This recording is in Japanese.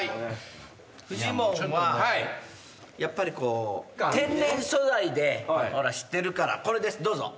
フジモンはやっぱり天然素材でしてるからこれですどうぞ。